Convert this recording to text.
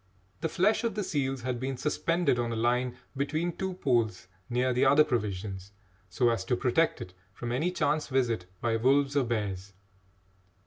The flesh of the seals had been suspended on a line between two poles near the other provisions so as to protect it from any chance visit by wolves or bears.